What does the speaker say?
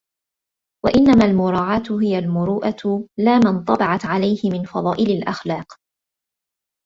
وَإِنَّمَا الْمُرَاعَاةُ هِيَ الْمُرُوءَةُ لَا مَا انْطَبَعَتْ عَلَيْهِ مِنْ فَضَائِلِ الْأَخْلَاقِ